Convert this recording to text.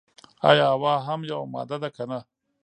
ایا هوا هم یوه ماده ده که نه.